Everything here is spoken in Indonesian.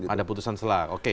ada keputusan selah oke